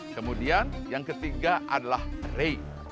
kemudian yang ketiga adalah ray